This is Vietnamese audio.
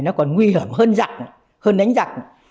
nó còn nguy hiểm hơn giặc hơn đánh giặc